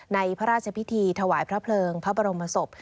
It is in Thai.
พระราชพิธีถวายพระเพลิงพระบรมศพ